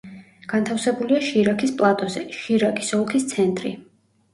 განთავსებულია შირაქის პლატოზე, შირაკის ოლქის ცენტრი.